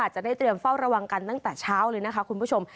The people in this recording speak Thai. จะได้เตรียมเฝ้าระวังกันตั้งแต่เช้าเลยนะคะคุณผู้ชม